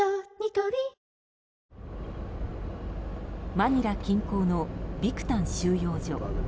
マニラ近郊のビクタン収容所。